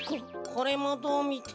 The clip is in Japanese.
これもどうみても。